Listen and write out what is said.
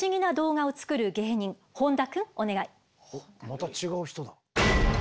また違う人だ。